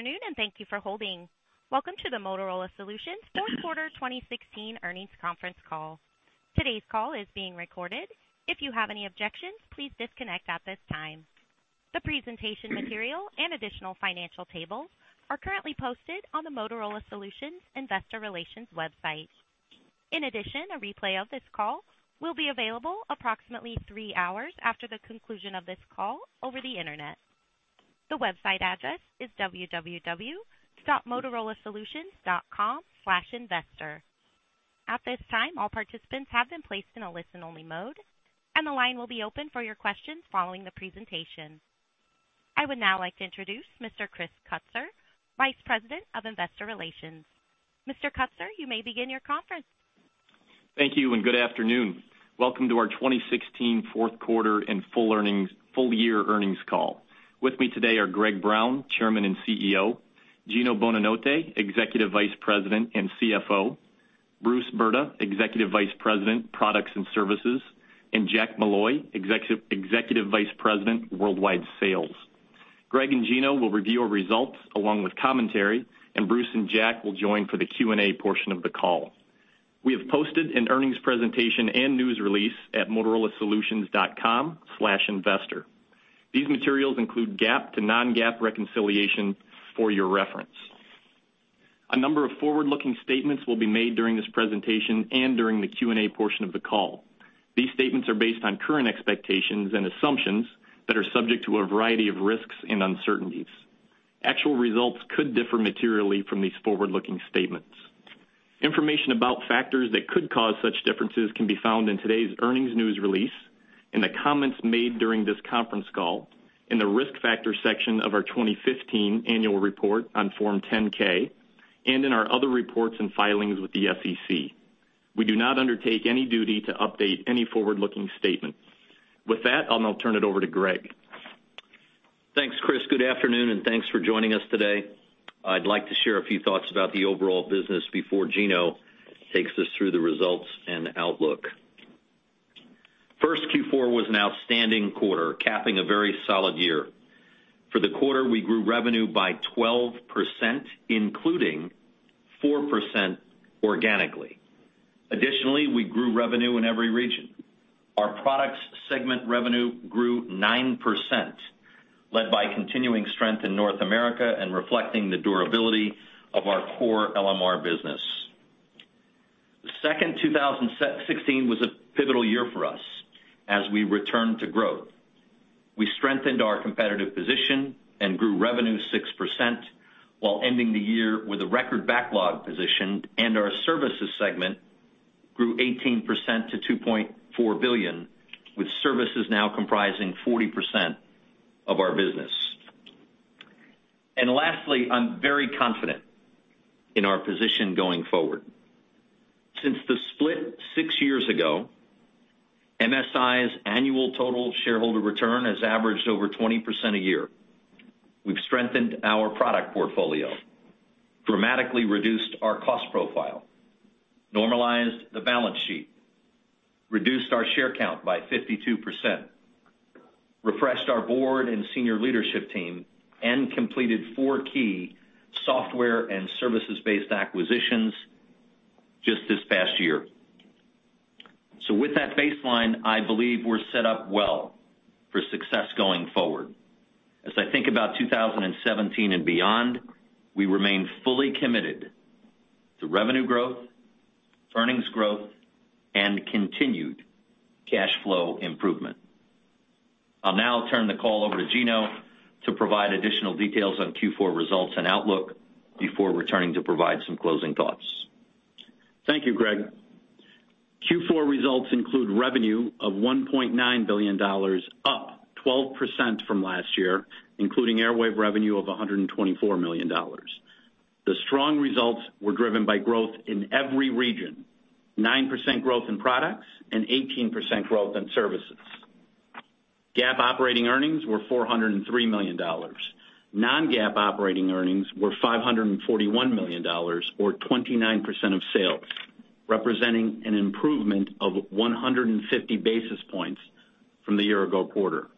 Good afternoon, and thank you for holding. Welcome to the Motorola Solutions fourth quarter 2016 earnings conference call. Today's call is being recorded. If you have any objections, please disconnect at this time. The presentation material and additional financial tables are currently posted on the Motorola Solutions investor relations website. In addition, a replay of this call will be available approximately 3 hours after the conclusion of this call over the internet. The website address is www.motorolasolutions.com/investor. At this time, all participants have been placed in a listen-only mode, and the line will be open for your questions following the presentation. I would now like to introduce Mr. Chris Kutsor, Vice President of Investor Relations. Mr. Kutsor, you may begin your conference. Thank you, and good afternoon. Welcome to our 2016 fourth quarter and full-year earnings call. With me today are Greg Brown, Chairman and CEO; Gino Bonanotte, Executive Vice President and CFO; Bruce Brda, Executive Vice President, Products and Services; and Jack Molloy, Executive Vice President, Worldwide Sales. Greg and Gino will review our results along with commentary, and Bruce and Jack will join for the Q&A portion of the call. We have posted an earnings presentation and news release at motorolasolutions.com/investor. These materials include GAAP to non-GAAP reconciliation for your reference. A number of forward-looking statements will be made during this presentation and during the Q&A portion of the call. These statements are based on current expectations and assumptions that are subject to a variety of risks and uncertainties. Actual results could differ materially from these forward-looking statements. Information about factors that could cause such differences can be found in today's earnings news release, in the comments made during this conference call, in the risk factors section of our 2015 annual report on Form 10-K, and in our other reports and filings with the SEC. We do not undertake any duty to update any forward-looking statement. With that, I'll now turn it over to Greg. Thanks, Chris. Good afternoon, and thanks for joining us today. I'd like to share a few thoughts about the overall business before Gino takes us through the results and outlook. First, Q4 was an outstanding quarter, capping a very solid year. For the quarter, we grew revenue by 12%, including 4% organically. Additionally, we grew revenue in every region. Our products segment revenue grew 9%, led by continuing strength in North America and reflecting the durability of our core LMR business. The second, 2016 was a pivotal year for us as we returned to growth. We strengthened our competitive position and grew revenue 6% while ending the year with a record backlog position, and our services segment grew 18% to $2.4 billion, with services now comprising 40% of our business. And lastly, I'm very confident in our position going forward. Since the split six years ago, MSI's annual total shareholder return has averaged over 20% a year. We've strengthened our product portfolio, dramatically reduced our cost profile, normalized the balance sheet, reduced our share count by 52%, reduced our share count by 52%, refreshed our board and senior leadership team, and completed four key software and services-based acquisitions just this past year. So with that baseline, I believe we're set up well for success going forward. As I think about 2017 and beyond, we remain fully committed to revenue growth, earnings growth, and continued cash flow improvement. I'll now turn the call over to Gino to provide additional details on Q4 results and outlook before returning to provide some closing thoughts. Thank you, Greg. Q4 results include revenue of $1.9 billion, up 12% from last year, including Airwave revenue of $124 million. The strong results were driven by growth in every region, 9% growth in products and 18% growth in services. GAAP operating earnings were $403 million. Non-GAAP operating earnings were $541 million, or 29% of sales, representing an improvement of 150 basis points from the year ago quarter.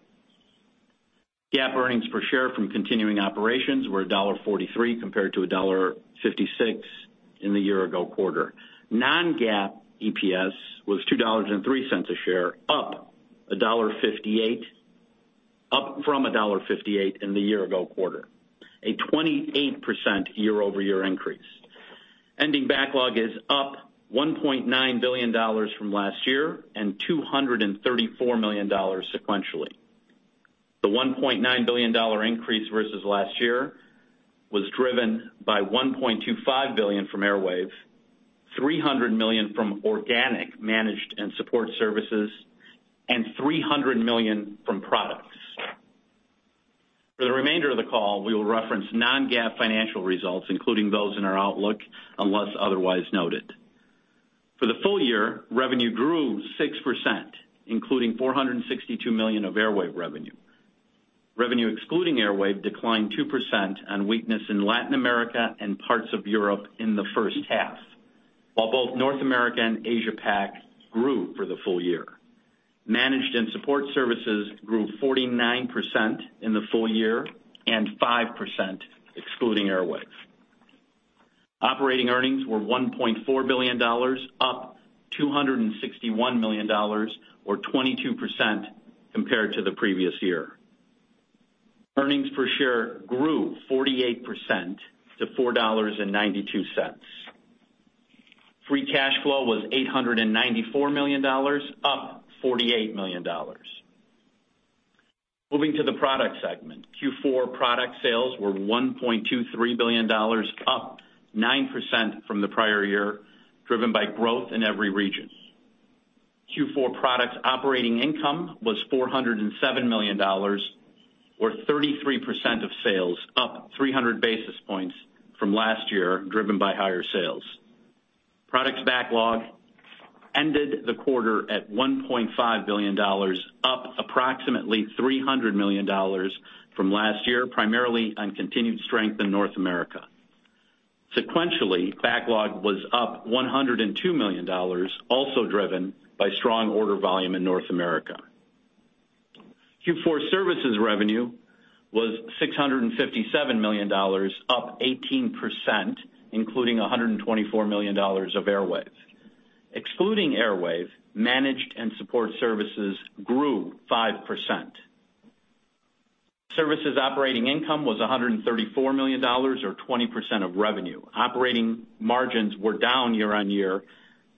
GAAP earnings per share from continuing operations were $1.43 compared to $1.56 in the year ago quarter. Non-GAAP EPS was $2.03 a share, up $1.58- up from $1.58 in the year ago quarter, a 28% year-over-year increase. Ending backlog is up $1.9 billion from last year and $234 million sequentially. The $1.9 billion increase versus last year was driven by $1.25 billion from Airwave, $300 million from organic managed and support services, and $300 million from products. For the remainder of the call, we will reference non-GAAP financial results, including those in our outlook, unless otherwise noted. For the full year, revenue grew 6%, including $462 million of Airwave revenue. Revenue excluding Airwave declined 2% on weakness in Latin America and parts of Europe in the first half, while both North America and Asia PAC grew for the full year. Managed and support services grew 49% in the full year, and 5% excluding Airwave. Operating earnings were $1.4 billion, up $261 million or 22% compared to the previous year. Earnings per share grew 48% to $4.92. Free cash flow was $894 million, up $48 million. Moving to the product segment. Q4 product sales were $1.23 billion, up 9% from the prior year, driven by growth in every region. Q4 products operating income was $407 million, or 33% of sales, up 300 basis points from last year, driven by higher sales. Products backlog ended the quarter at $1.5 billion, up approximately $300 million from last year, primarily on continued strength in North America. Sequentially, backlog was up $102 million, also driven by strong order volume in North America. Q4 services revenue was $657 million, up 18%, including $124 million of Airwave. Excluding Airwave, managed and support services grew 5%. Services operating income was $134 million or 20% of revenue. Operating margins were down year-on-year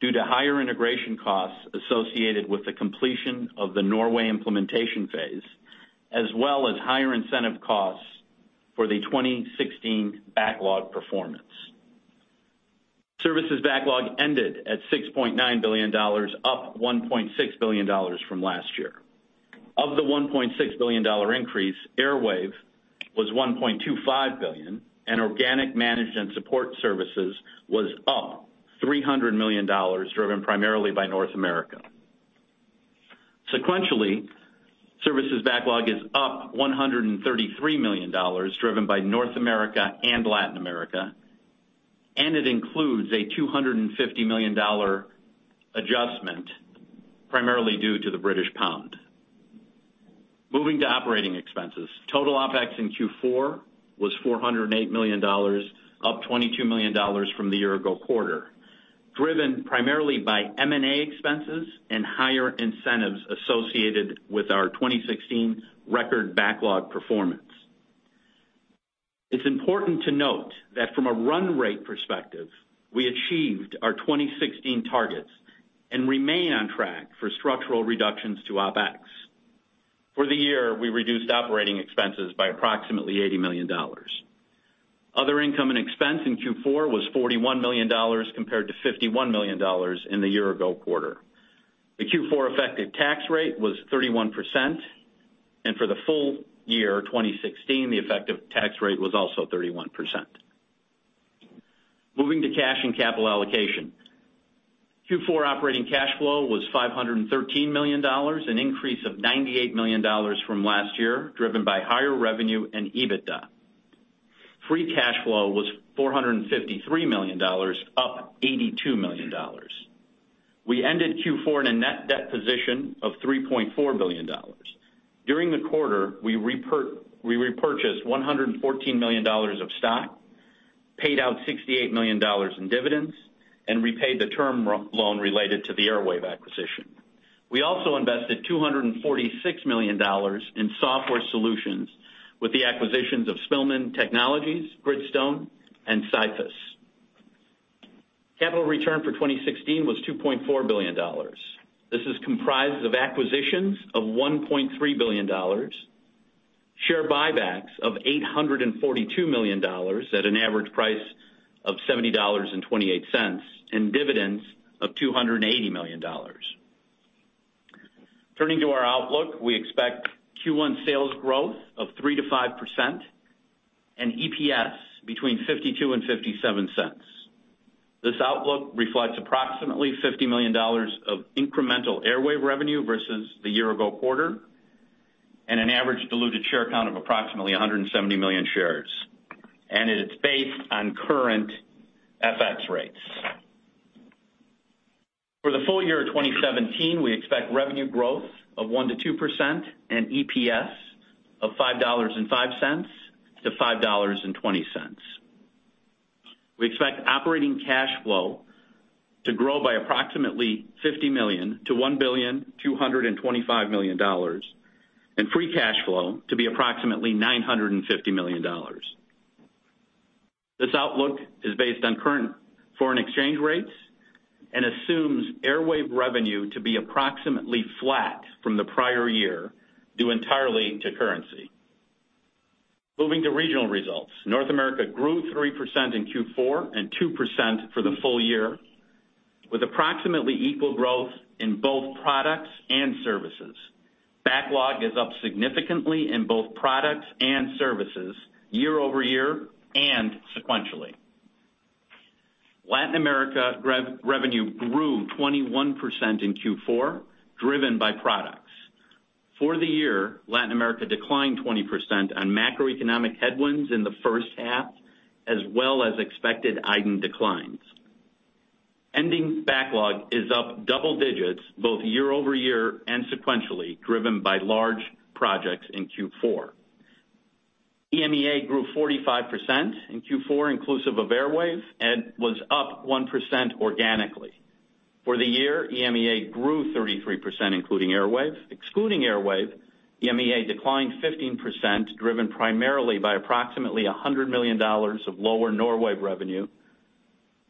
due to higher integration costs associated with the completion of the Norway implementation phase, as well as higher incentive costs for the 2016 backlog performance. Services backlog ended at $6.9 billion, up $1.6 billion from last year. Of the $1.6 billion increase, Airwave was $1.25 billion, and organic managed and support services was up $300 million, driven primarily by North America. Sequentially, services backlog is up $133 million, driven by North America and Latin America, and it includes a $250 million adjustment, primarily due to the British pound. Moving to operating expenses. Total OpEx in Q4 was $408 million, up $22 million from the year ago quarter, driven primarily by M&A expenses and higher incentives associated with our 2016 record backlog performance. It's important to note that from a run rate perspective, we achieved our 2016 targets and remain on track for structural reductions to OpEx. For the year, we reduced operating expenses by approximately $80 million. Other income and expense in Q4 was $41 million, compared to $51 million in the year ago quarter. The Q4 effective tax rate was 31%, and for the full year 2016, the effective tax rate was also 31%. Moving to cash and capital allocation. Q4 operating cash flow was $513 million, an increase of $98 million from last year, driven by higher revenue and EBITDA. Free cash flow was $453 million, up $82 million. We ended Q4 in a net debt position of $3.4 billion. During the quarter, we repurchased $114 million of stock, paid out $68 million in dividends, and repaid the term loan related to the Airwave acquisition. We also invested $246 million in software solutions with the acquisitions of Spillman Technologies, Gridstone, and Silvus. Capital return for 2016 was $2.4 billion. This is comprised of acquisitions of $1.3 billion, share buybacks of $842 million at an average price of $70.28, and dividends of $280 million. Turning to our outlook, we expect Q1 sales growth of 3%-5% and EPS between $0.52 and $0.57. This outlook reflects approximately $50 million of incremental Airwave revenue versus the year ago quarter, and an average diluted share count of approximately 170 million shares, and it is based on current FX rates. For the full year of 2017, we expect revenue growth of 1%-2% and EPS of $5.05-$5.20. We expect operating cash flow to grow by approximately $50 million-$1.225 billion, and free cash flow to be approximately $950 million. This outlook is based on current foreign exchange rates and assumes Airwave revenue to be approximately flat from the prior year, due entirely to currency. Moving to regional results, North America grew 3% in Q4 and 2% for the full year, with approximately equal growth in both products and services. Backlog is up significantly in both products and services year-over-year and sequentially. Latin America revenue grew 21% in Q4, driven by products. For the year, Latin America declined 20% on macroeconomic headwinds in the first half, as well as expected iDEN declines. Ending backlog is up double digits, both year-over-year and sequentially, driven by large projects in Q4. EMEA grew 45% in Q4, inclusive of Airwave, and was up 1% organically. For the year, EMEA grew 33%, including Airwave. Excluding Airwave, EMEA declined 15%, driven primarily by approximately $100 million of lower Norway revenue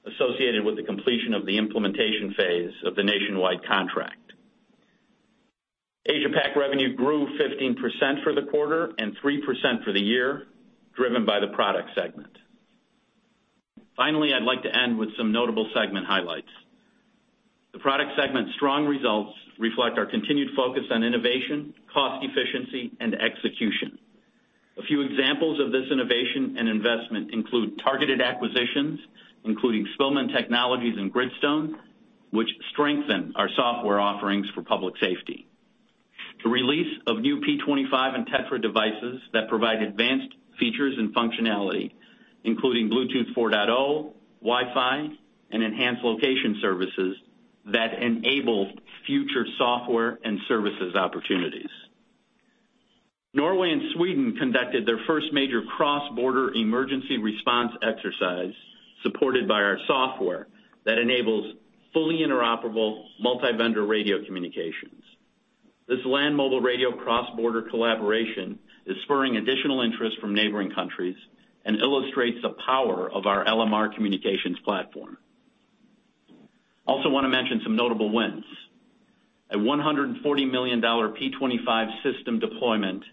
associated with the completion of the implementation phase of the nationwide contract. Asia Pac revenue grew 15% for the quarter and 3% for the year, driven by the product segment. Finally, I'd like to end with some notable segment highlights. The product segment's strong results reflect our continued focus on innovation, cost efficiency, and execution. A few examples of this innovation and investment include targeted acquisitions, including Spillman Technologies and Gridstone, which strengthen our software offerings for public safety. The release of new P25 and TETRA devices that provide advanced features and functionality, including Bluetooth 4.0, Wi-Fi, and enhanced location services that enable future Software and Services opportunities. Norway and Sweden conducted their first major cross-border emergency response exercise, supported by our software, that enables fully interoperable multi-vendor radio communications. This land mobile radio cross-border collaboration is spurring additional interest from neighboring countries and illustrates the power of our LMR communications platform. I also want to mention some notable wins. A $140 million P25 system deployment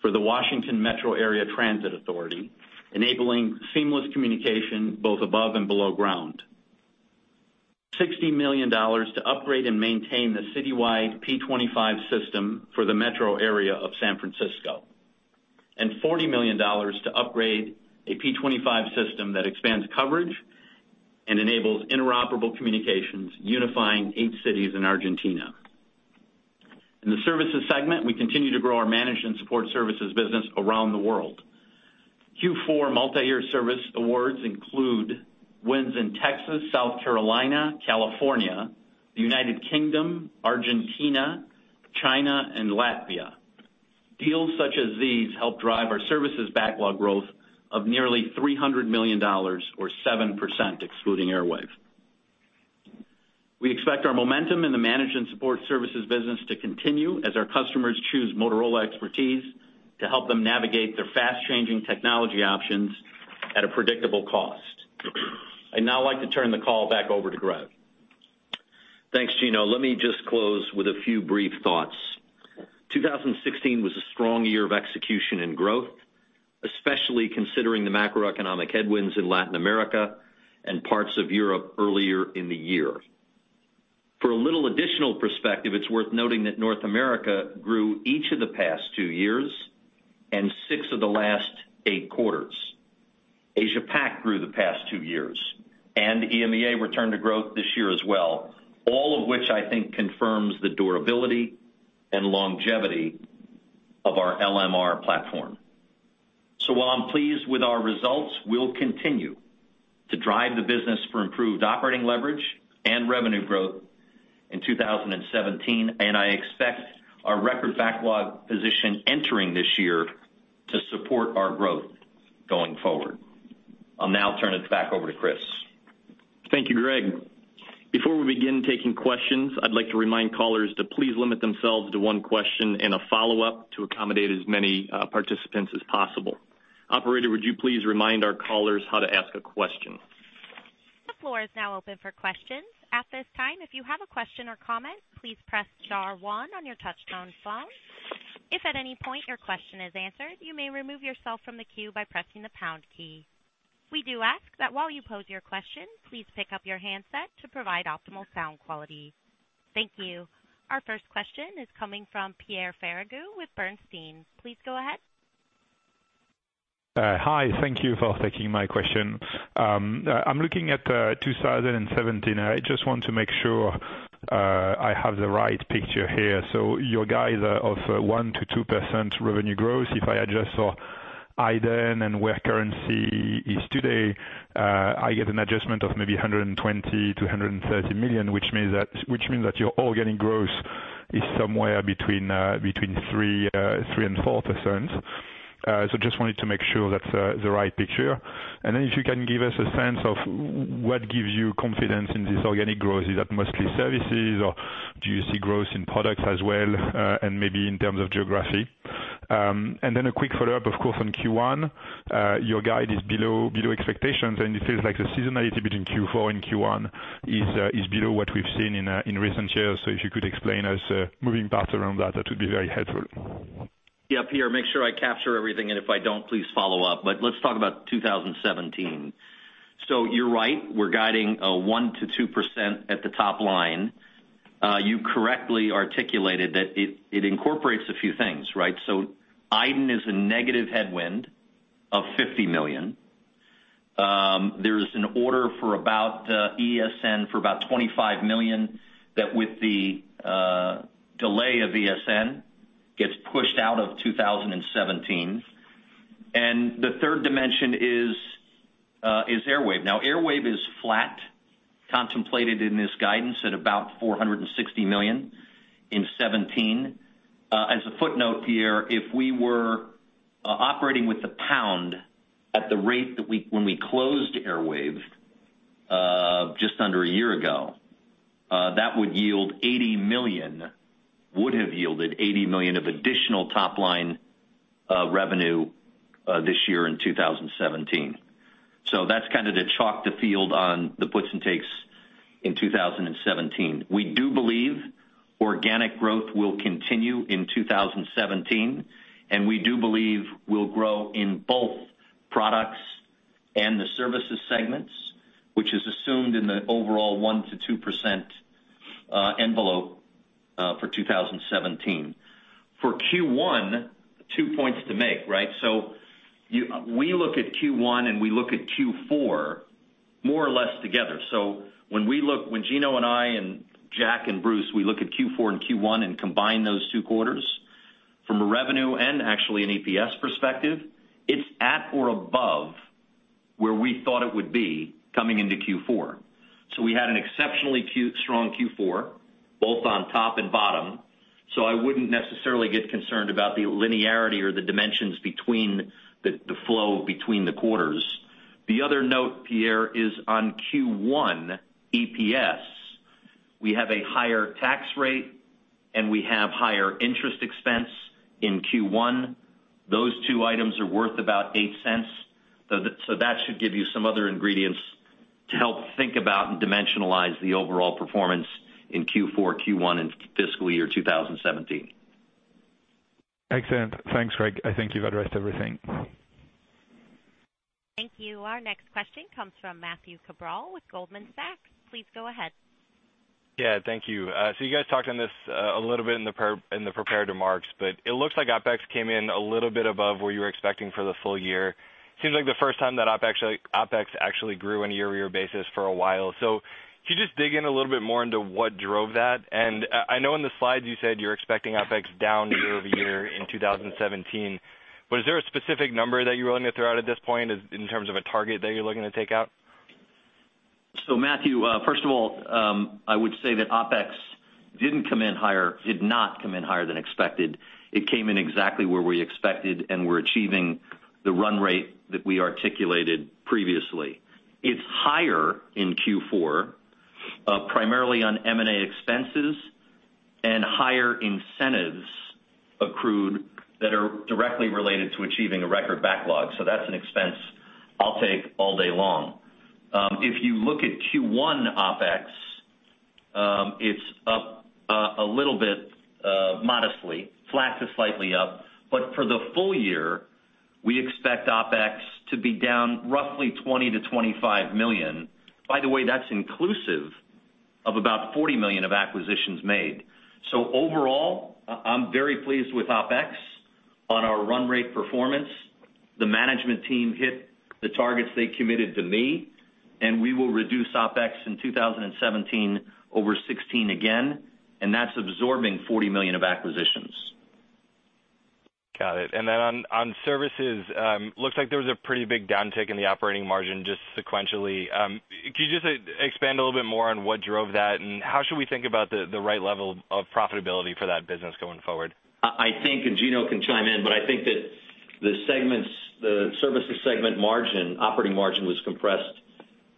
for the Washington Metropolitan Area Transit Authority, enabling seamless communication both above and below ground. $60 million to upgrade and maintain the citywide P25 system for the metro area of San Francisco and $40 million to upgrade a P25 system that expands coverage and enables interoperable communications, unifying eight cities in Argentina. In the Services segment, we continue to grow our managed and support services business around the world. Q4 multi-year service awards include wins in Texas, South Carolina, California, the United Kingdom, Argentina, China, and Latvia. Deals such as these help drive our Services backlog growth of nearly $300 million, or 7%, excluding Airwave. We expect our momentum in the managed and support services business to continue as our customers choose Motorola expertise to help them navigate their fast-changing technology options at a predictable cost. I'd now like to turn the call back over to Greg. Thanks, Gino. Let me just close with a few brief thoughts. 2016 was a strong year of execution and growth, especially considering the macroeconomic headwinds in Latin America and parts of Europe earlier in the year. For a little additional perspective, it's worth noting that North America grew each of the past two years and six of the last eight quarters. Asia PAC grew the past two years, and EMEA returned to growth this year as well, all of which I think confirms the durability and longevity of our LMR platform. So while I'm pleased with our results, we'll continue to drive the business for improved operating leverage and revenue growth in 2017, and I expect our record backlog position entering this year to support our growth going forward. I'll now turn it back over to Chris. Thank you, Greg. Before we begin taking questions, I'd like to remind callers to please limit themselves to one question and a follow-up to accommodate as many participants as possible. Operator, would you please remind our callers how to ask a question? The floor is now open for questions. At this time, if you have a question or comment, please press star one on your touchtone phone. If at any point your question is answered, you may remove yourself from the queue by pressing the pound key. We do ask that while you pose your question, please pick up your handset to provide optimal sound quality. Thank you. Our first question is coming from Pierre Ferragu with Bernstein. Please go ahead. Hi, thank you for taking my question. I'm looking at 2017. I just want to make sure I have the right picture here. So your guys are of 1%-2% revenue growth. If I adjust for iDEN and where currency is today, I get an adjustment of maybe $120 million-$130 million, which means that your organic growth is somewhere between 3%-4%. So just wanted to make sure that's the right picture. And then if you can give us a sense of what gives you confidence in this organic growth? Is that mostly services, or do you see growth in products as well, and maybe in terms of geography? And then a quick follow-up, of course, on Q1. Your guide is below, below expectations, and it seems like the seasonality between Q4 and Q1 is, is below what we've seen in, in recent years. So if you could explain us, moving parts around that, that would be very helpful. Yeah, Pierre, make sure I capture everything, and if I don't, please follow up. But let's talk about 2017. So you're right, we're guiding 1%-2% at the top line. You correctly articulated that it, it incorporates a few things, right? So iDEN is a negative headwind of $50 million... There is an order for about ESN for about $25 million, that with the delay of ESN, gets pushed out of 2017. And the third dimension is, is Airwave. Now, Airwave is flat, contemplated in this guidance at about $460 million in 2017. As a footnote, Pierre, if we were operating with the pound at the rate that we, when we closed Airwave just under a year ago, that would yield $80 million, would have yielded $80 million of additional top-line revenue this year in 2017. So that's kind of the chalk the field on the puts and takes in 2017. We do believe organic growth will continue in 2017, and we do believe we'll grow in both Products and the Services segments, which is assumed in the overall 1%-2% envelope for 2017. For Q1, two points to make, right? So we look at Q1 and we look at Q4 more or less together. So when we look, when Gino and I, and Jack, and Bruce, we look at Q4 and Q1 and combine those two quarters from a revenue and actually an EPS perspective, it's at or above where we thought it would be coming into Q4. So we had an exceptionally strong Q4, both on top and bottom, so I wouldn't necessarily get concerned about the linearity or the dimensions between the flow between the quarters. The other note, Pierre, is on Q1 EPS. We have a higher tax rate, and we have higher interest expense in Q1. Those two items are worth about $0.08. So that should give you some other ingredients to help think about and dimensionalize the overall performance in Q4, Q1, and fiscal year 2017. Excellent. Thanks, Greg. I think you've addressed everything. Thank you. Our next question comes from Matthew Cabral with Goldman Sachs. Please go ahead. Yeah, thank you. So you guys talked on this a little bit in the prepared remarks, but it looks like OpEx came in a little bit above where you were expecting for the full year. Seems like the first time that OpEx actually grew on a year-over-year basis for a while. So could you just dig in a little bit more into what drove that? And I know in the slides you said you're expecting OpEx down year-over-year in 2017, but is there a specific number that you're willing to throw out at this point in terms of a target that you're looking to take out? So Matthew, first of all, I would say that OpEx didn't come in higher, did not come in higher than expected. It came in exactly where we expected, and we're achieving the run rate that we articulated previously. It's higher in Q4, primarily on M&A expenses and higher incentives accrued that are directly related to achieving a record backlog. So that's an expense I'll take all day long. If you look at Q1 OpEx, it's up, a little bit, modestly, flat to slightly up. But for the full year, we expect OpEx to be down roughly $20-$25 million. By the way, that's inclusive of about $40 million of acquisitions made. So overall, I'm very pleased with OpEx on our run rate performance. The management team hit the targets they committed to me, and we will reduce OpEx in 2017, over 16 again, and that's absorbing $40 million of acquisitions. Got it. And then on, on Services, looks like there was a pretty big downtick in the operating margin, just sequentially. Could you just expand a little bit more on what drove that, and how should we think about the, the right level of profitability for that business going forward? I think, and Gino can chime in, but I think that the segments, the Services segment margin, operating margin, was compressed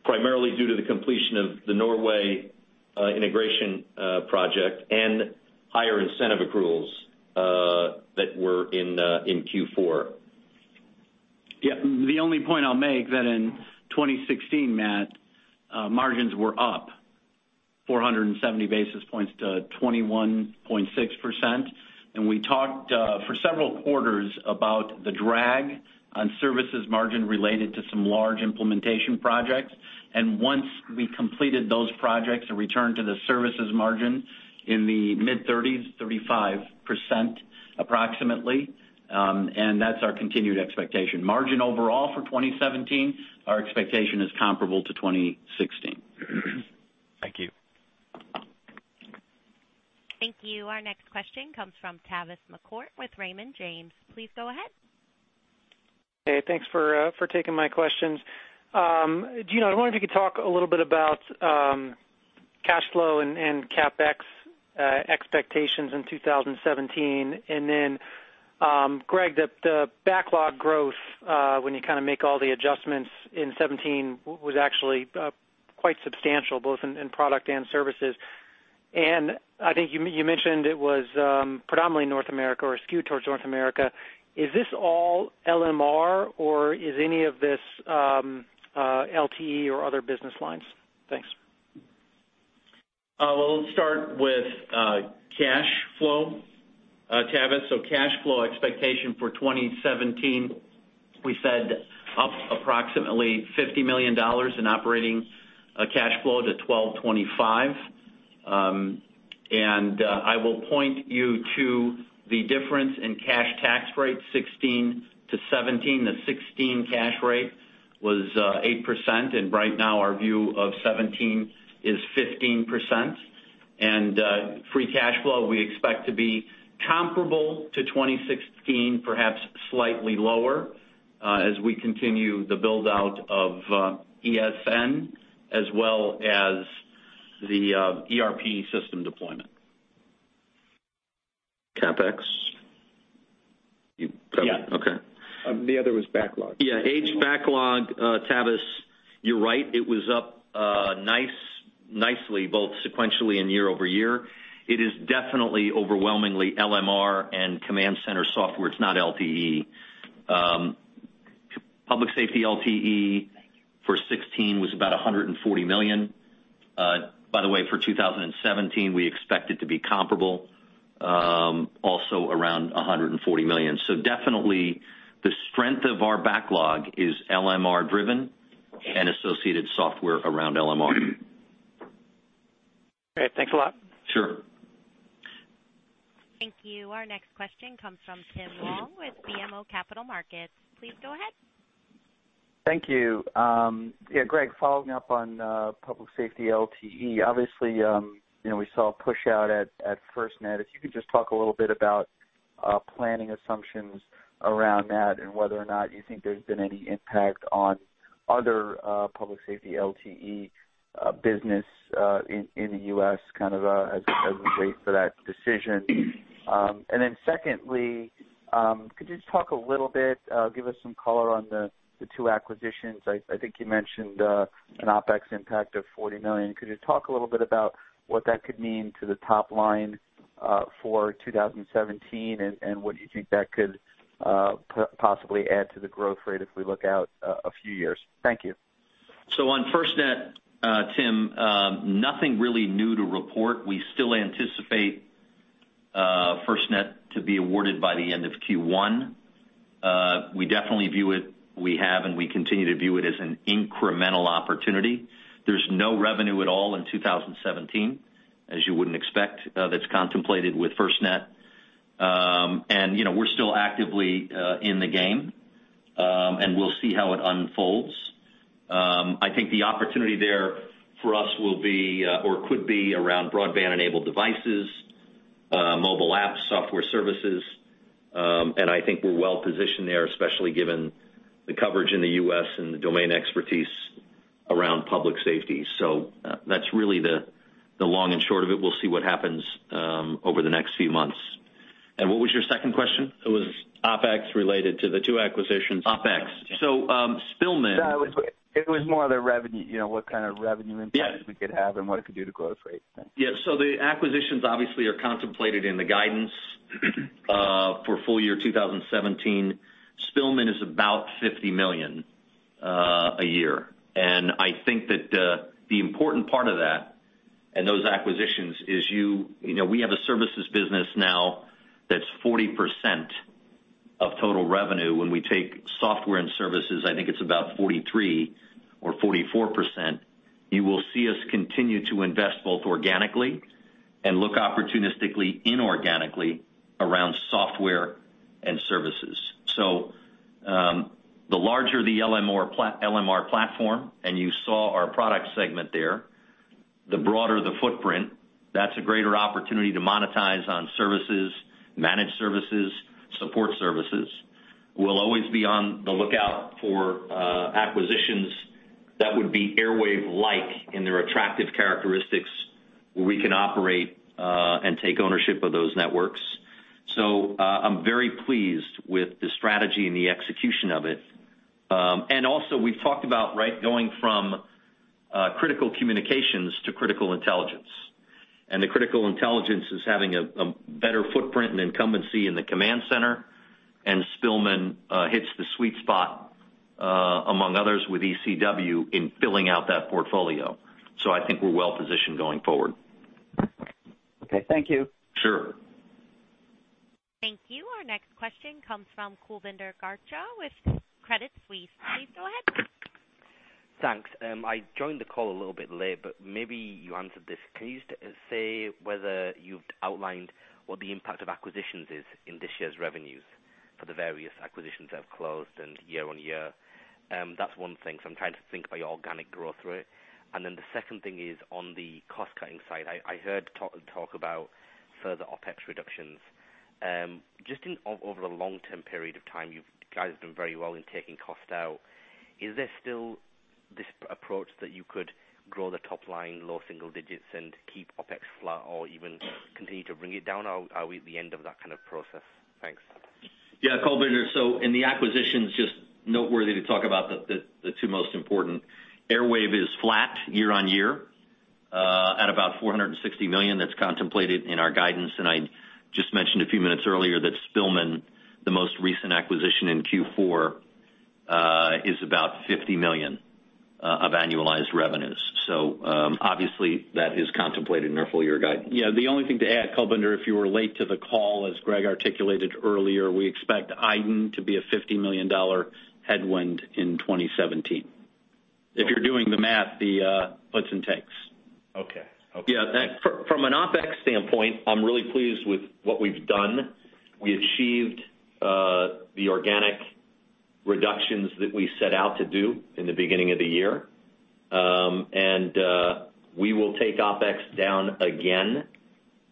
primarily due to the completion of the Norway integration project and higher incentive accruals that were in Q4. Yeah, the only point I'll make that in 2016, Matt, margins were up 470 basis points to 21.6%. And we talked for several quarters about the drag on services margin related to some large implementation projects. And once we completed those projects, a return to the services margin in the mid-thirties, 35%, approximately, and that's our continued expectation. Margin overall for 2017, our expectation is comparable to 2016. Thank you. Thank you. Our next question comes from Tavis McCourt with Raymond James. Please go ahead. Hey, thanks for taking my questions. Gino, I wonder if you could talk a little bit about cash flow and CapEx expectations in 2017. And then, Greg, the backlog growth, when you kind of make all the adjustments in 2017, was actually quite substantial, both in product and services. And I think you mentioned it was predominantly North America or skewed towards North America. Is this all LMR, or is any of this LTE or other business lines? Thanks. Well, let's start with cash flow, Tavis. So cash flow expectation for 2017, we said up approximately $50 million in operating cash flow to $1,225 million. And, I will point you to the difference in cash tax rate, 2016 to 2017. The 2016 cash rate was 8%, and right now, our view of 2017 is 15%. And, free cash flow, we expect to be comparable to 2016, perhaps slightly lower, as we continue the build-out of ESN, as well as the ERP system deployment. CapEx? Okay. The other was backlog. Yeah, aged backlog, Tavis, you're right, it was up, nicely, both sequentially and year-over-year. It is definitely overwhelmingly LMR and command center software. It's not LTE. Public Safety LTE for 2016 was about $140 million. By the way, for 2017, we expect it to be comparable, also around $140 million. So definitely, the strength of our backlog is LMR driven and associated software around LMR. Great. Thanks a lot. Sure. Thank you. Our next question comes from Tim Long with BMO Capital Markets. Please go ahead. Thank you. Yeah, Greg, following up on Public Safety LTE, obviously, you know, we saw a push out at FirstNet. If you could just talk a little bit about planning assumptions around that and whether or not you think there's been any impact on other Public Safety LTE business in the U.S. kind of as we wait for that decision. And then secondly, could you just talk a little bit, give us some color on the two acquisitions? I think you mentioned an OpEx impact of $40 million. Could you talk a little bit about what that could mean to the top line for 2017, and what do you think that could possibly add to the growth rate if we look out a few years? Thank you. So on FirstNet, Tim, nothing really new to report. We still anticipate FirstNet to be awarded by the end of Q1. We definitely view it, we have and we continue to view it as an incremental opportunity. There's no revenue at all in 2017, as you wouldn't expect, that's contemplated with FirstNet. And, you know, we're still actively in the game, and we'll see how it unfolds. I think the opportunity there for us will be, or could be around broadband-enabled devices, mobile apps, software services, and I think we're well positioned there, especially given the coverage in the US and the domain expertise around public safety. So, that's really the long and short of it. We'll see what happens over the next few months. And what was your second question? It was OpEx related to the two acquisitions. OpEx? So, Spillman- No, it was, it was more the revenue, you know, what kind of revenue impact we could have and what it could do to growth rate? Thanks. Yeah, so the acquisitions obviously are contemplated in the guidance for full year 2017. Spillman is about $50 million a year. And I think that the important part of that and those acquisitions is you know, we have a services business now that's 40% of total revenue. When we take Software and Services, I think it's about 43% or 44%. You will see us continue to invest both organically and look opportunistically inorganically around Software and Services. So, the larger the LMR platform, and you saw our Product segment there, the broader the footprint, that's a greater opportunity to monetize on services, managed services, support services. We'll always be on the lookout for acquisitions that would be Airwave-like in their attractive characteristics, where we can operate and take ownership of those networks. So, I'm very pleased with the strategy and the execution of it. And also, we've talked about, right, going from critical communications to critical intelligence. And the critical intelligence is having a better footprint and incumbency in the command center, and Spillman hits the sweet spot, among others with ECW, in filling out that portfolio. So I think we're well positioned going forward. Okay. Thank you. Sure. Thank you. Our next question comes from Kulbinder Garcha with Credit Suisse. Please go ahead. Thanks. I joined the call a little bit late, but maybe you answered this. Can you just say whether you've outlined what the impact of acquisitions is in this year's revenues for the various acquisitions that have closed and year-over-year? That's one thing, so I'm trying to think about your organic growth rate. And then the second thing is on the cost-cutting side, I heard talk about further OpEx reductions. Just over a long-term period of time, you guys have done very well in taking cost out. Is there still this approach that you could grow the top line, low single digits, and keep OpEx flat or even continue to bring it down, or are we at the end of that kind of process? Thanks. Yeah, Kulbinder, so in the acquisitions, just noteworthy to talk about the two most important. Airwave is flat year-over-year, at about $460 million. That's contemplated in our guidance, and I just mentioned a few minutes earlier that Spillman, the most recent acquisition in Q4, is about $50 million of annualized revenues. Obviously, that is contemplated in our full year guidance. Yeah, the only thing to add, Kulbinder, if you were late to the call, as Greg articulated earlier, we expect iDEN to be a $50 million headwind in 2017. If you're doing the math, the puts and takes. Okay, okay. Yeah, from an OpEx standpoint, I'm really pleased with what we've done. We achieved the organic reductions that we set out to do in the beginning of the year. And we will take OpEx down again,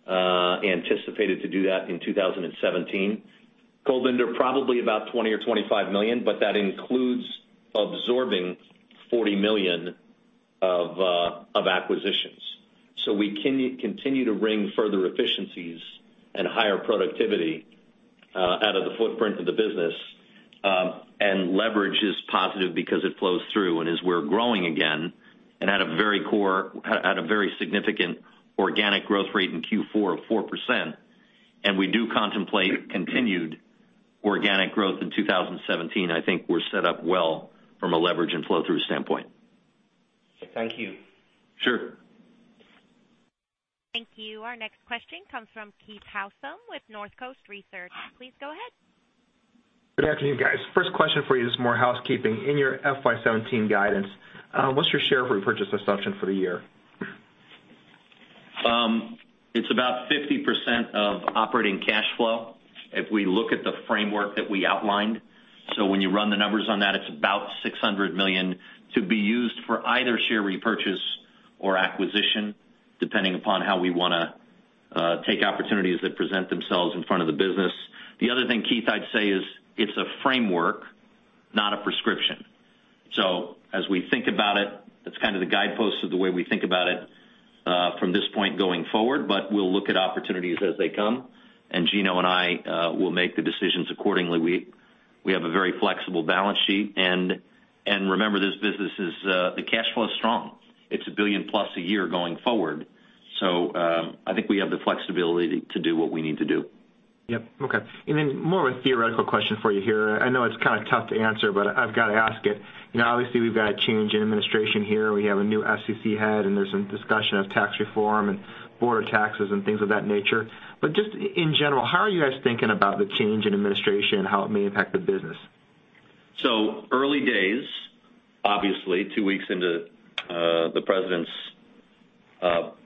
anticipated to do that in 2017. Altogether, probably about $20 million or $25 million, but that includes absorbing $40 million of acquisitions. So we continue to wring further efficiencies and higher productivity out of the footprint of the business. And leverage is positive because it flows through, and as we're growing again, and at a very significant organic growth rate in Q4 of 4%, and we do contemplate continued organic growth in 2017, I think we're set up well from a leverage and flow-through standpoint. Thank you. Sure. Thank you. Our next question comes from Keith Housum with Northcoast Research. Please go ahead. Good afternoon, guys. First question for you is more housekeeping. In your FY 17 guidance, what's your share repurchase assumption for the year? It's about 50% of operating cash flow if we look at the framework that we outlined. So when you run the numbers on that, it's about $600 million to be used for either share repurchase or acquisition, depending upon how we wanna take opportunities that present themselves in front of the business. The other thing, Keith, I'd say is, it's a framework, not a prescription. So as we think about it, that's kind of the guidepost of the way we think about it from this point going forward, but we'll look at opportunities as they come, and Gino and I will make the decisions accordingly. We have a very flexible balance sheet, and remember, this business is, the cash flow is strong. It's $1 billion plus a year going forward. I think we have the flexibility to do what we need to do. Yep. Okay. And then more of a theoretical question for you here. I know it's kind of tough to answer, but I've gotta ask it. You know, obviously, we've got a change in administration here. We have a new SEC head, and there's some discussion of tax reform and border taxes and things of that nature. But just in general, how are you guys thinking about the change in administration and how it may impact the business? So early days, obviously, two weeks into the president's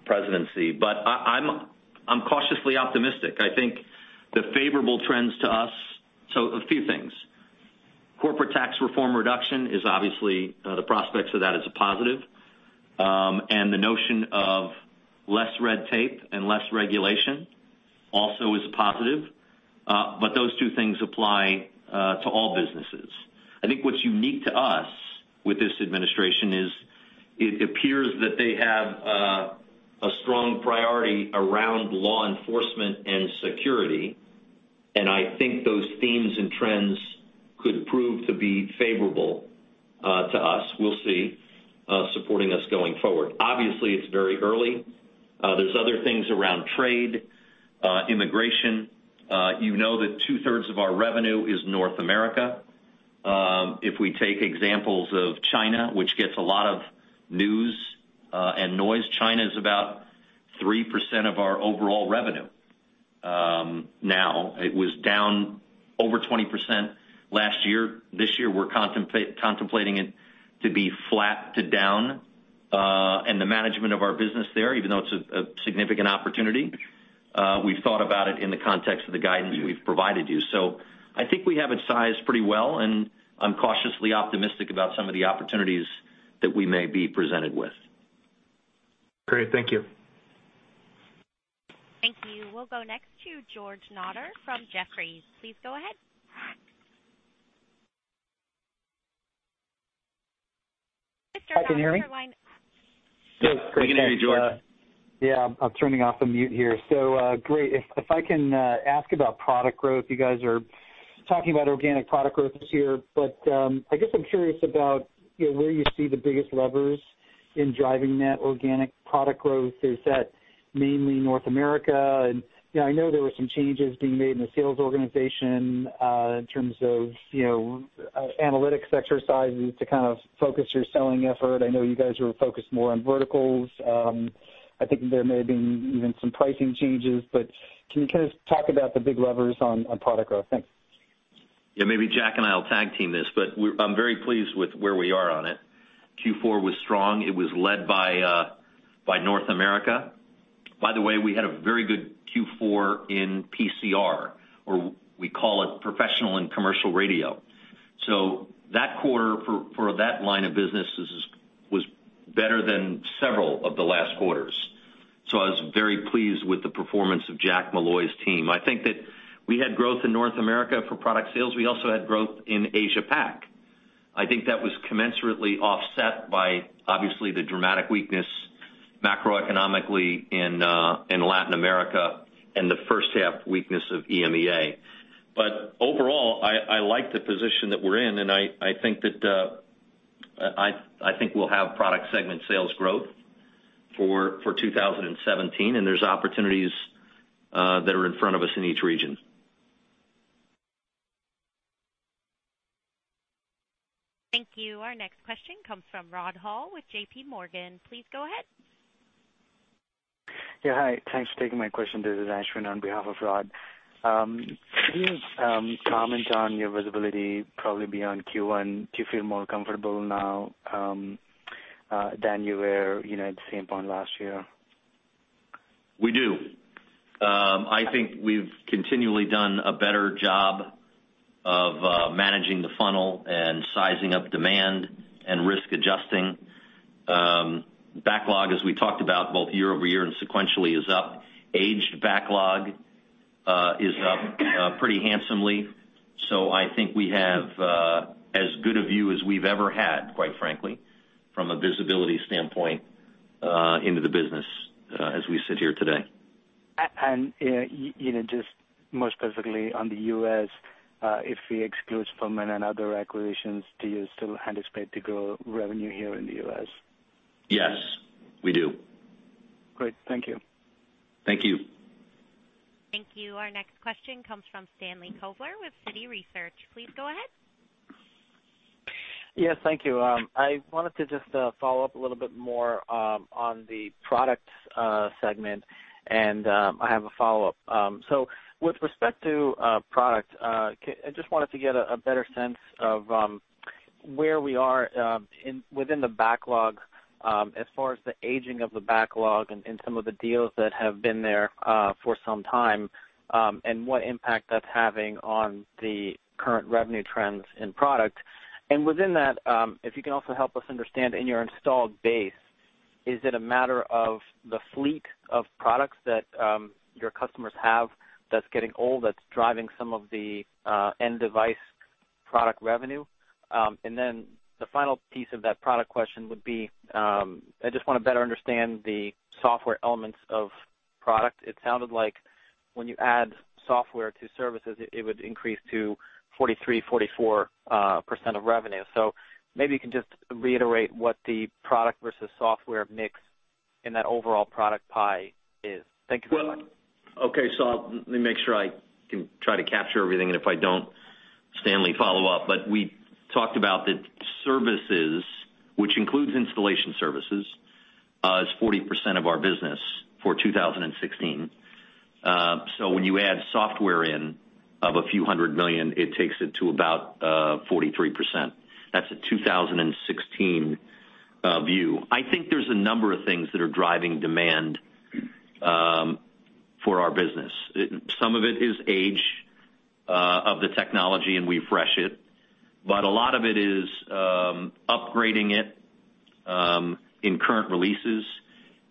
presidency, but I'm cautiously optimistic. I think the favorable trends to us. So a few things. Corporate tax reform reduction is obviously the prospects of that is a positive. And the notion of less red tape and less regulation also is a positive, but those two things apply to all businesses. I think what's unique to us with this administration is it appears that they have a strong priority around law enforcement and security, and I think those themes and trends could prove to be favorable to us. We'll see supporting us going forward. Obviously, it's very early. There's other things around trade, immigration. You know that two-thirds of our revenue is North America. If we take examples of China, which gets a lot of news and noise, China is about 3% of our overall revenue now. It was down over 20% last year. This year, we're contemplating it to be flat to down, and the management of our business there, even though it's a significant opportunity, we've thought about it in the context of the guidance we've provided you. So I think we have it sized pretty well and I'm cautiously optimistic about some of the opportunities that we may be presented with. Great. Thank you. Thank you. We'll go next to George Notter from Jefferies. Please go ahead. Can you hear me? Good afternoon, George. Yeah, I'm turning off the mute here. So, great. If, if I can ask about product growth, you guys are talking about organic product growth this year, but, I guess I'm curious about, you know, where you see the biggest levers in driving that organic product growth. Is that mainly North America? And, you know, I know there were some changes being made in the sales organization, in terms of, you know, analytics exercises to kind of focus your selling effort. I know you guys are focused more on verticals. I think there may have been even some pricing changes, but can you kind of talk about the big levers on, on product growth? Thanks. Yeah, maybe Jack and I will tag team this, but we're- I'm very pleased with where we are on it. Q4 was strong. It was led by - by North America. By the way, we had a very good Q4 in PCR, or we call it Professional and Commercial Radio. So that quarter for that line of business was better than several of the last quarters. So I was very pleased with the performance of Jack Molloy's team. I think that we had growth in North America for product sales. We also had growth in Asia PAC. I think that was commensurately offset by, obviously, the dramatic weakness macroeconomically in in Latin America and the first half weakness of EMEA. But overall, I like the position that we're in, and I think that we'll have product segment sales growth for 2017, and there's opportunities that are in front of us in each region. Thank you. Our next question comes from Rod Hall with JPMorgan. Please go ahead. Yeah, hi. Thanks for taking my question. This is Ashwin on behalf of Rod. Comment on your visibility, probably beyond Q1. Do you feel more comfortable now than you were, you know, at the same point last year? We do. I think we've continually done a better job of managing the funnel and sizing up demand and risk adjusting. Backlog, as we talked about, both year-over-year and sequentially, is up. Aged backlog is up pretty handsomely. So I think we have as good a view as we've ever had, quite frankly, from a visibility standpoint into the business as we sit here today. You know, just more specifically on the U.S., if we exclude Spillman and other acquisitions, do you still anticipate to grow revenue here in the U.S.? Yes, we do. Great. Thank you. Thank you. Thank you. Our next question comes from Stanley Kovler with Citi Research. Please go ahead. Yes, thank you. I wanted to just follow up a little bit more on the Product segment, and I have a follow-up. So with respect to Product, I just wanted to get a better sense of where we are within the backlog as far as the aging of the backlog and some of the deals that have been there for some time and what impact that's having on the current revenue trends in product. And within that, if you can also help us understand, in your installed base, is it a matter of the fleet of products that your customers have that's getting old, that's driving some of the end device product revenue? And then the final piece of that product question would be, I just wanna better understand the software elements of product. It sounded like when you add software to services, it, it would increase to 43%-44% of revenue. So maybe you can just reiterate what the product versus software mix in that overall product pie is. Thank you so much. Well, okay, so I'll let me make sure I can try to capture everything, and if I don't, Stanley, follow up. But we talked about that services, which includes installation services, is 40% of our business for 2016. So when you add Software in, of a few hundred million, it takes it to about 43%. That's a 2016 view. I think there's a number of things that are driving demand for our business. Some of it is age of the technology, and we refresh it, but a lot of it is upgrading it in current releases.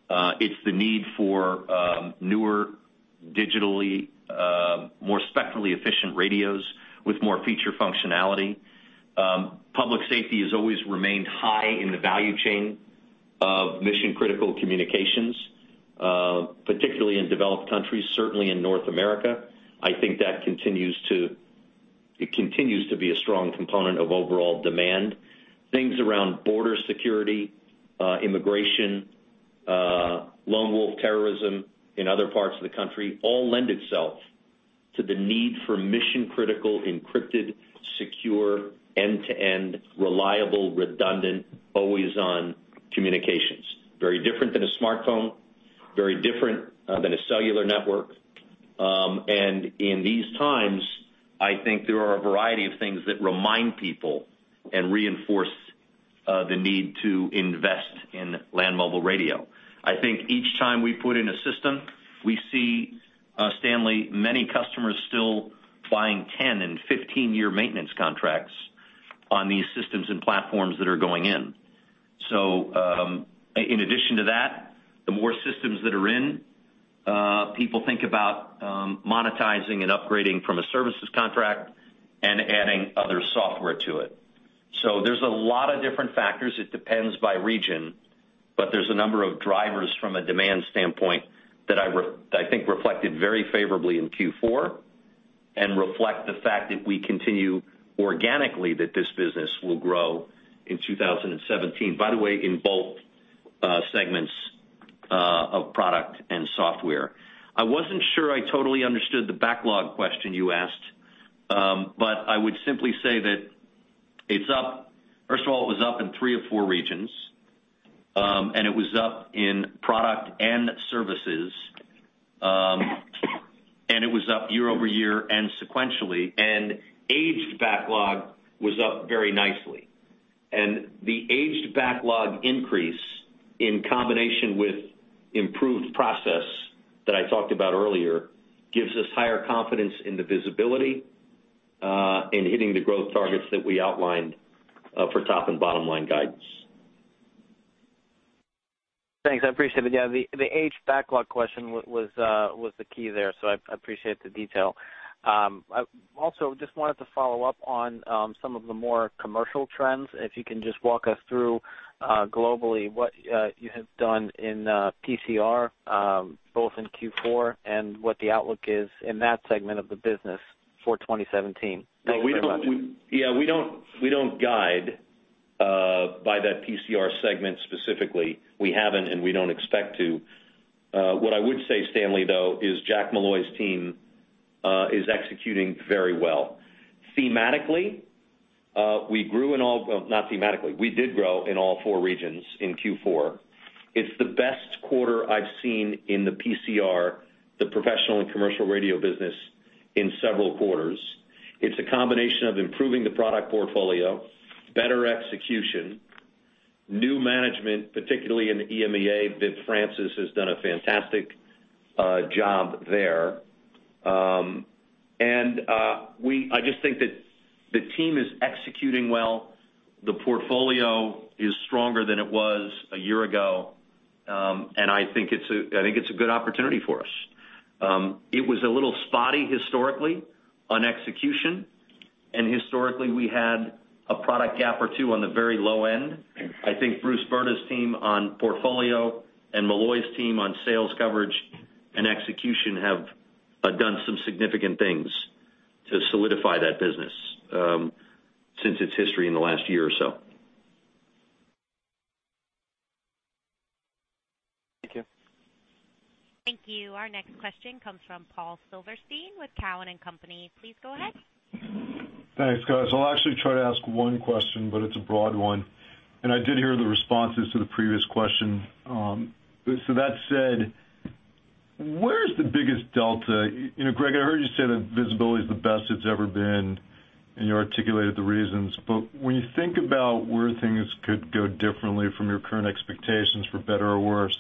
It's the need for newer, digitally more spectrally efficient radios with more feature functionality. Public safety has always remained high in the value chain of mission-critical communications, particularly in developed countries, certainly in North America. I think that continues to be a strong component of overall demand. Things around border security, immigration, lone wolf terrorism in other parts of the country, all lend itself to the need for mission-critical, encrypted, secure, end-to-end, reliable, redundant, always-on communications. Very different than a smartphone, very different than a cellular network. And in these times, I think there are a variety of things that remind people and reinforce the need to invest in land mobile radio. I think each time we put in a system, we see, Stanley, many customers still buying 10- and 15-year maintenance contracts on these systems and platforms that are going in. So, in addition to that, the more systems that are in, people think about monetizing and upgrading from a services contract and adding other software to it. So there's a lot of different factors, it depends by region, but there's a number of drivers from a demand standpoint that I think reflected very favorably in Q4 and reflect the fact that we continue organically, that this business will grow in 2017, by the way, in both segments of Product and Software. I wasn't sure I totally understood the backlog question you asked, but I would simply say that it's up. First of all, it was up in three or four regions, and it was up in Product and Services, and it was up year-over-year and sequentially, and aged backlog was up very nicely. The aged backlog increase, in combination with improved process that I talked about earlier, gives us higher confidence in the visibility in hitting the growth targets that we outlined for top and bottom line guidance. Thanks, I appreciate it. Yeah, the aged backlog question was the key there, so I appreciate the detail. I also just wanted to follow up on some of the more commercial trends. If you can just walk us through globally, what you have done in PCR both in Q4 and what the outlook is in that segment of the business for 2017. Thank you very much. Well, we don't guide by that PCR segment specifically. We haven't, and we don't expect to. What I would say, Stanley, though, is Jack Molloy's team is executing very well. We grew in all, well, not thematically. We did grow in all four regions in Q4. It's the best quarter I've seen in the PCR, the Professional and Commercial Radio business, in several quarters. It's a combination of improving the product portfolio, better execution, new management, particularly in the EMEA. Viv Francis has done a fantastic job there. And I just think that the team is executing well, the portfolio is stronger than it was a year ago, and I think it's a good opportunity for us. It was a little spotty historically on execution, and historically we had a product gap or two on the very low end. I think Bruce Brda's team on portfolio and Molloy's team on sales coverage and execution have done some significant things to solidify that business, since its history in the last year or so. Thank you. Thank you. Our next question comes from Paul Silverstein with Cowen and Company. Please go ahead. Thanks, guys. I'll actually try to ask one question, but it's a broad one, and I did hear the responses to the previous question. So that said, where's the biggest delta? You know, Greg, I heard you say that visibility is the best it's ever been, and you articulated the reasons. But when you think about where things could go differently from your current expectations, for better or worse,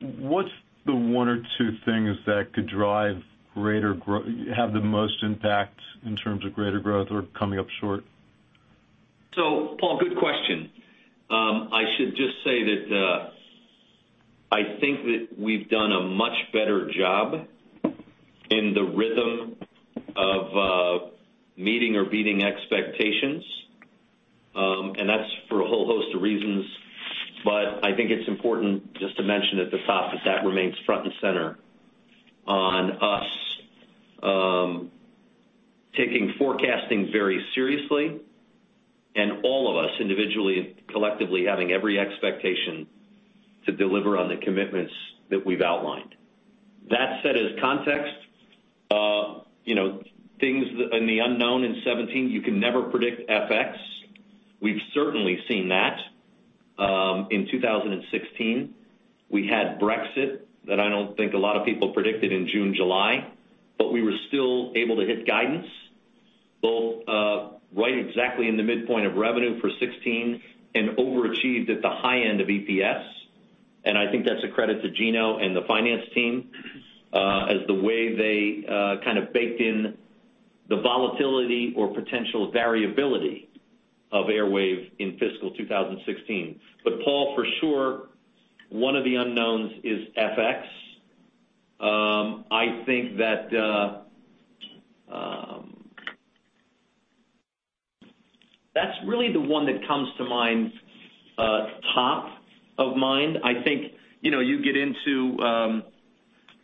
what's the one or two things that could drive greater growth or have the most impact in terms of greater growth or coming up short? So, Paul, good question. I should just say that, I think that we've done a much better job in the rhythm of, meeting or beating expectations, and that's for a whole host of reasons. But I think it's important just to mention at the top, that that remains front and center on us, taking forecasting very seriously, and all of us, individually and collectively, having every expectation to deliver on the commitments that we've outlined. That said, as context, you know, things in the unknown in 2017, you can never predict FX. We've certainly seen that, in 2016. We had Brexit, that I don't think a lot of people predicted in June, July, but we were still able to hit guidance, both right exactly in the midpoint of revenue for 2016, and overachieved at the high end of EPS. And I think that's a credit to Gino and the finance team, as the way they kind of baked in the volatility or potential variability of Airwave in fiscal 2016. But Paul for sure, one of the unknowns is FX. That's really the one that comes to mind, top of mind. I think, you know, you get into,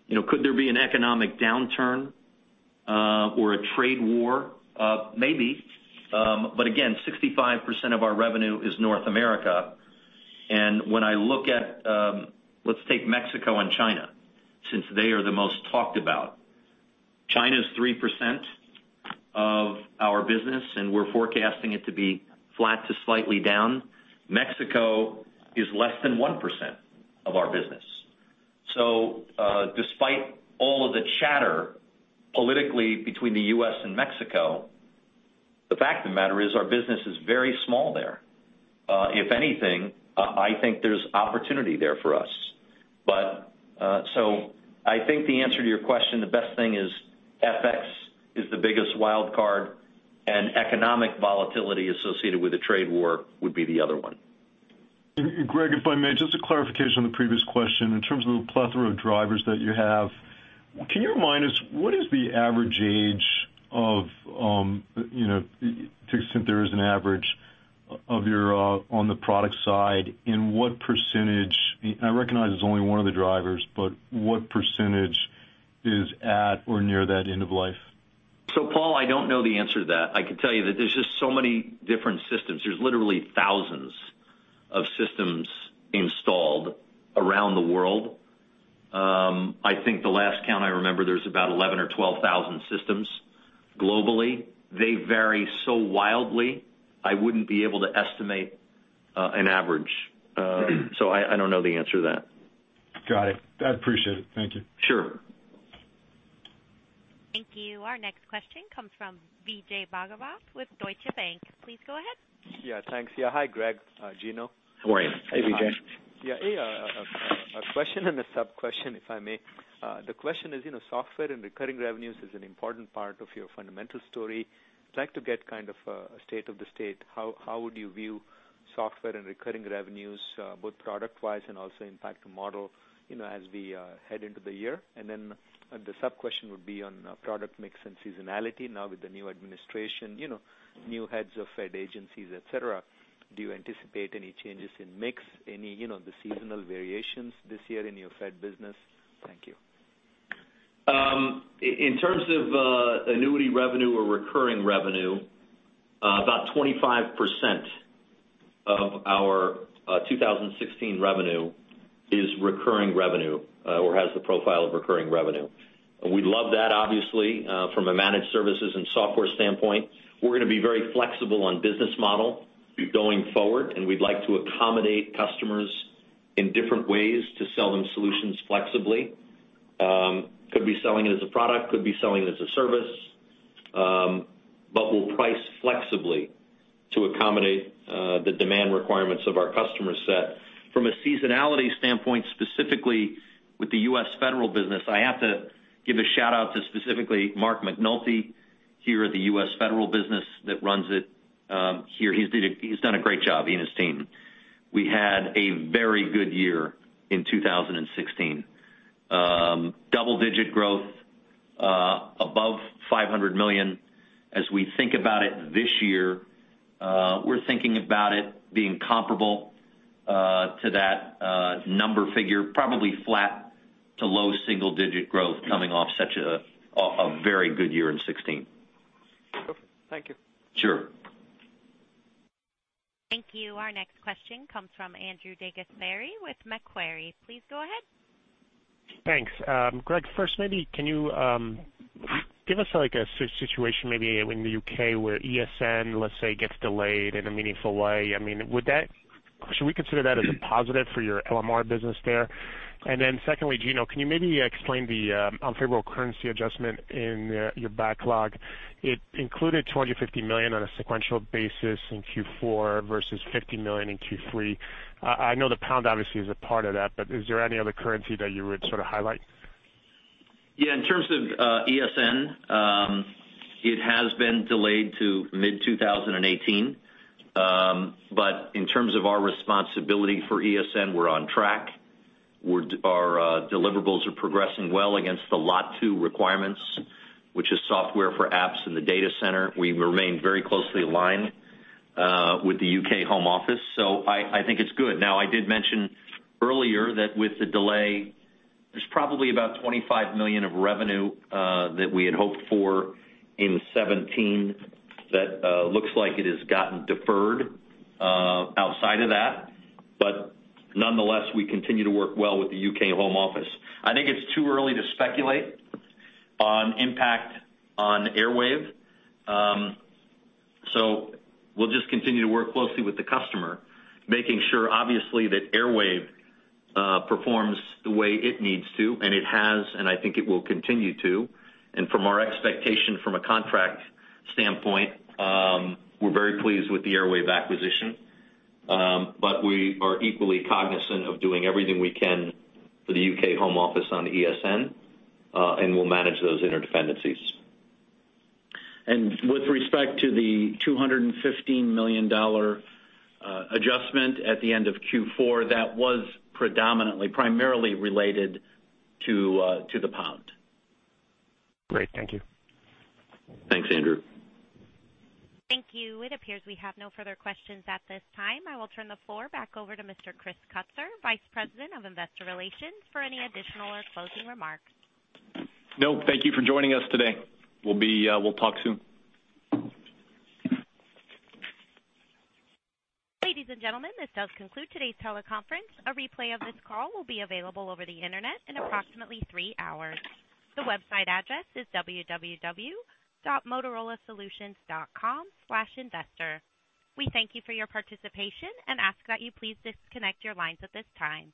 you know, could there be an economic downturn, or a trade war? Maybe. But again, 65% of our revenue is North America. And when I look at, let's take Mexico and China, since they are the most talked about. China is 3% of our business, and we're forecasting it to be flat to slightly down. Mexico is less than 1% of our business. So, despite all of the chatter politically between the U.S. and Mexico, the fact of the matter is, our business is very small there. If anything, I think there's opportunity there for us. But, so I think the answer to your question, the best thing is FX is the biggest wild card, and economic volatility associated with the trade war would be the other one. Greg, if I may, just a clarification on the previous question. In terms of the plethora of drivers that you have, can you remind us, what is the average age of, you know, since there is an average, of your, on the product side, and what percentage - I recognize it's only one of the drivers, but what percentage is at or near that end of life? So, Paul, I don't know the answer to that. I can tell you that there's just so many different systems. There's literally thousands of systems installed around the world. I think the last count I remember, there's about 11,000 to 12,000 systems globally. They vary so wildly, I wouldn't be able to estimate an average. So I don't know the answer to that. Got it. I appreciate it. Thank you. Sure. Thank you. Our next question comes from Vijay Bhagavath with Deutsche Bank. Please go ahead. Yeah, thanks. Yeah, hi, Greg, Gino. How are you? Hey, Vijay. Yeah, a question and a sub-question, if I may. The question is, you know, software and recurring revenues is an important part of your fundamental story. I'd like to get kind of a state of the state. How would you view software and recurring revenues, both product-wise and also impact the model, you know, as we head into the year? And then the sub-question would be on product mix and seasonality. Now, with the new administration, you know, new heads of Fed agencies, et cetera, do you anticipate any changes in mix, any, you know, the seasonal variations this year in your Fed business? Thank you. In terms of annuity revenue or recurring revenue, about 25% of our 2016 revenue is recurring revenue or has the profile of recurring revenue. And we love that, obviously, from a managed services and software standpoint. We're going to be very flexible on business model going forward, and we'd like to accommodate customers in different ways to sell them solutions flexibly. Could be selling it as a product, could be selling it as a service, but we'll price flexibly to accommodate the demand requirements of our customer set. From a seasonality standpoint, specifically with the US Federal business, I have to give a shout-out to specifically Mark McNulty here at the US Federal Business that runs it, here. He's done a great job, he and his team. We had a very good year in 2016. Double-digit growth above $500 million. As we think about it this year, we're thinking about it being comparable to that number figure, probably flat to low single-digit growth coming off such a very good year in 2016. Perfect. Thank you. Sure. Thank you. Our next question comes from Andrew DeGasperi with Macquarie. Please go ahead. Thanks. Greg, first, maybe can you give us, like, a situation, maybe in the UK, where ESN, let's say, gets delayed in a meaningful way? I mean, should we consider that as a positive for your LMR business there? And then secondly, Gino, can you maybe explain the unfavorable currency adjustment in your backlog? It included $250 million on a sequential basis in Q4 versus $50 million in Q3. I know the pound obviously is a part of that, but is there any other currency that you would sort of highlight? Yeah, in terms of ESN, it has been delayed to mid-2018. But in terms of our responsibility for ESN, we're on track. We're our deliverables are progressing well against the Lot 2 requirements, which is software for apps in the data center. We remain very closely aligned with the UK Home Office, so I think it's good. Now, I did mention earlier that with the delay, there's probably about $25 million of revenue that we had hoped for in 2017 that looks like it has gotten deferred outside of that. But nonetheless, we continue to work well with the UK Home Office. I think it's too early to speculate on impact on Airwave. We'll just continue to work closely with the customer, making sure, obviously, that Airwave performs the way it needs to, and it has, and I think it will continue to. From our expectation from a contract standpoint, we're very pleased with the Airwave acquisition. We are equally cognizant of doing everything we can for the UK Home Office on ESN, and we'll manage those interdependencies. With respect to the $215 million adjustment at the end of Q4, that was predominantly, primarily related to the pound. Great. Thank you. Thanks, Andrew. Thank you. It appears we have no further questions at this time. I will turn the floor back over to Mr. Chris Kutsor, Vice President of Investor Relations, for any additional or closing remarks. No, thank you for joining us today. We'll be, we'll talk soon. Ladies and gentlemen, this does conclude today's teleconference. A replay of this call will be available over the Internet in approximately three hours. The website address is www.motorolasolutions.com/investor. We thank you for your participation and ask that you please disconnect your lines at this time.